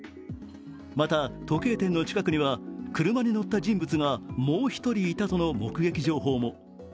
また、時計店の近くには車に乗った人物がもう１人いたとの目撃情報も。